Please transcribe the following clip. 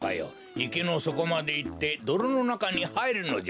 いけのそこまでいってどろのなかにはいるのじゃ。